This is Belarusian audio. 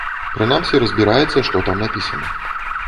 Прынамсі, разбіраецца, што там напісана.